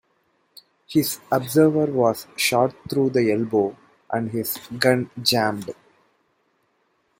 His observer was shot through the elbow and his gun jammed.